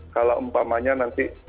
kalau umpamanya nanti